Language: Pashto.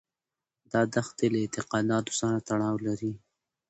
دا دښتې له اعتقاداتو سره تړاو لري.